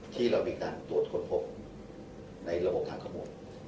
ที่เรามีการตรวจค้นพบในระบบทางข้อมูล